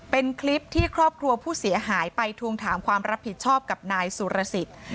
เป็นคลิปที่ครอบครัวผู้เสียหายไปทวงถามความรับผิดชอบกับนายสุรสิทธิ์